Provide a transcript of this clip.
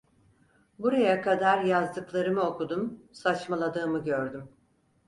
Buraya kadar yazdıklarımı okudum, saçmaladığımı gördüm.